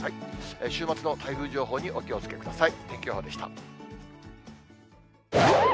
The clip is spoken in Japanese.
週末の台風情報にお気をつけください。